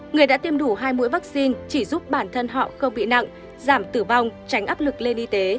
người đã tiêm đủ hai mũi vaccine chỉ giúp bản thân họ không bị nặng giảm tử vong tránh áp lực lên y tế